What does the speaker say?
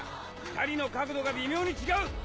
２人の角度が微妙に違う。